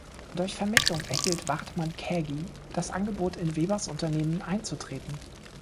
Durch Vermittlung erhielt Wartmann-Kägi das Angebot, in Webers Unternehmen einzutreten.